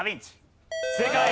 正解。